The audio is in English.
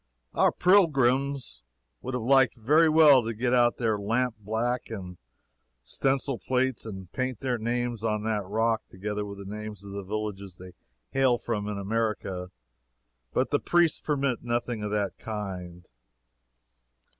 Our pilgrims would have liked very well to get out their lampblack and stencil plates and paint their names on that rock, together with the names of the villages they hail from in America, but the priests permit nothing of that kind.